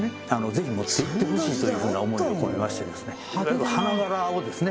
ぜひ持っていってほしいというふうな思いを込めましていわゆる花柄をですね